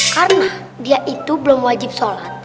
karena dia itu belum wajib sholat